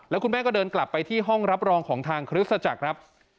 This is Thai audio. แล้วคุณแม่ก็เดินกลับไปที่ห้องรับรองของทางคริสตจักรครับ